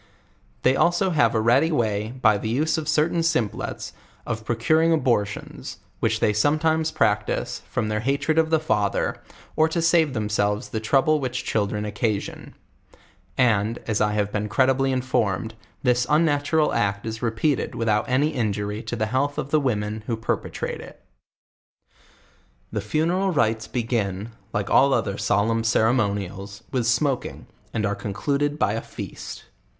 They also have a ready w*y, by the use of certain simples, of procuring abortions, which they sometimes practice, from their hatred of the father, or to save themselves the trouble which chil dren occasion; and, as I have been credibly informed, this unnatural act is repeated without any injury to the health of the women who perpetrate it. The funeral rites begin, like all other solemn ceremonials, with smoking, and are concluded by a feast.